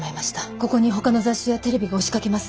ここにほかの雑誌やテレビが押しかけます。